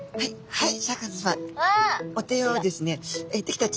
はい。